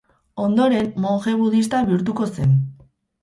Ondoren, monje budista bihurtuko zen.